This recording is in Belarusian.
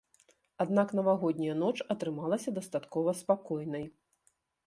Аднак навагодняя ноч атрымалася дастаткова спакойнай.